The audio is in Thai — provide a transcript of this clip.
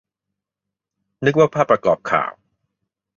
นึกว่าภาพประกอบข่าว